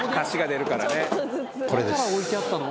だから置いてあったの？